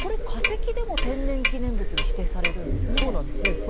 化石でも天然記念物に指定されるんですね。